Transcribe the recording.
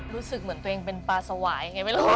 รู้สึกเหมือนตัวเองเป็นปลาสวายไงไม่รู้